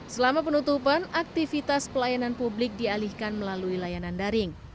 selama penutupan aktivitas pelayanan publik dialihkan melalui layanan daring